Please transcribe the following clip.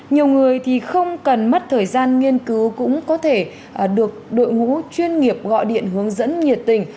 nhiều người thì không cần mất thời gian nghiên cứu cũng có thể được đội ngũ chuyên nghiệp gọi điện hướng dẫn nhiệt tình